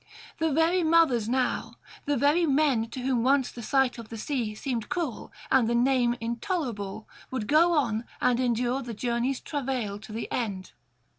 The very mothers now, the very men to whom once the sight of the sea seemed cruel and the name intolerable, would go on and endure the journey's travail to the end.